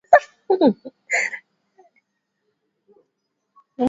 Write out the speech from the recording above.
viazi lishe ni muhimu